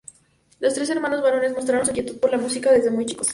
Los tres hermanos varones mostraron su inquietud por la música desde muy chicos.